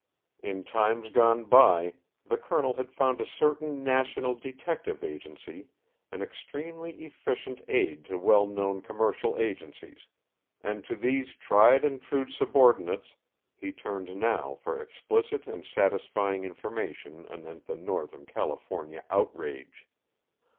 In times gone by, the Colonel had found a certain national detective agency an extremely efficient aid to well known commercial agencies, and to these tried and true subordinates he turned now for explicit and satisfying information anent the Northern California Outrage!